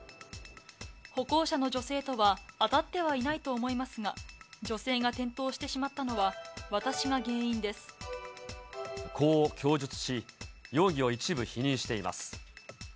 歩行者の女性とは当たってはいないと思いますが、女性が転倒こう供述し、容疑を一部否認しています。